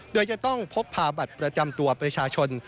โดยจะต้องพกพาบัตรประจำตัวประชาชน